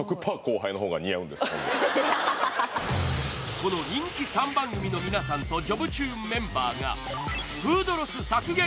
この人気３番組の皆さんと「ジョブチューン」メンバーがフードロス削減